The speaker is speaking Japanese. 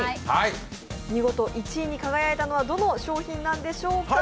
見事１位に輝いたのはどの商品なんでしょうか。